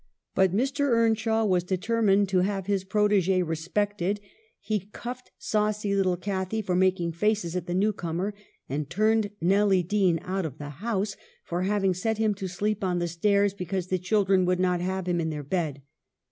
But Mr. Earnshaw was determined to have his protegi respected ; he cuffed saucy little Cathy for making faces at the new comer, and turned Nelly Dean out of the house for having set him to sleep on the stairs because the children would not have him in their bed.